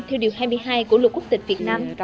theo điều hai mươi hai của luật quốc tịch việt nam